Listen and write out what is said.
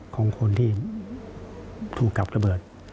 ของคนที่ถูกจับระเบิด